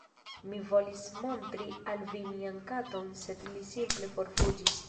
Mi volis montri al vi mian katon sed li simple forfuĝis